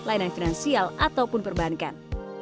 lainan finansial ataupun perbankan